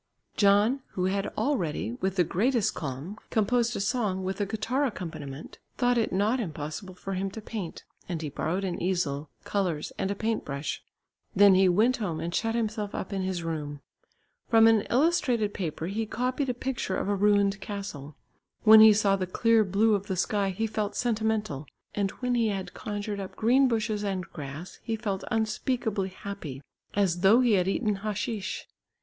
John, who had already, with the greatest calm, composed a song with a guitar accompaniment, thought it not impossible for him to paint, and he borrowed an easel, colours, and a paint brush. Then he went home and shut himself up in his room. From an illustrated paper he copied a picture of a ruined castle. When he saw the clear blue of the sky he felt sentimental, and when he had conjured up green bushes and grass he felt unspeakably happy as though he had eaten haschish.